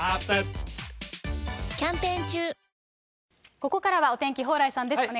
ここからはお天気、蓬莱さんです。